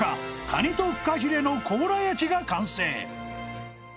カニとフカヒレの甲羅焼が完成